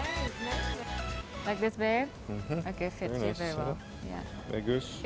oke terlihat sangat bagus